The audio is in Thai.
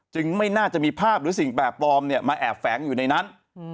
ไม่น่าจะมีภาพหรือสิ่งแปลกปลอมมาแอบแฝงอยู่ในนั้น